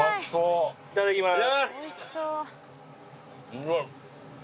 いただきます。